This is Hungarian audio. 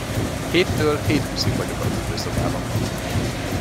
Héttől hét húszig vagyok a fürdőszobában.